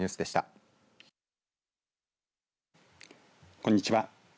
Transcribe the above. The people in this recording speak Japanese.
こんにちは。